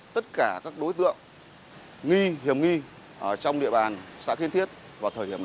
tất cả các đối tượng nghi hiểm nghi trong địa bàn xã thiên thiết và thời hiểm đó